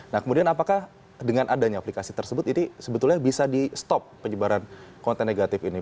nah kemudian apakah dengan adanya aplikasi tersebut ini sebetulnya bisa di stop penyebaran konten negatif ini